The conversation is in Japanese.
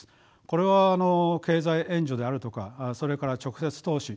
これは経済援助であるとかそれから直接投資